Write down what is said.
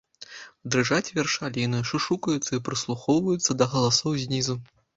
Дрыжаць вершаліны, шушукаюцца і прыслухоўваюцца да галасоў знізу.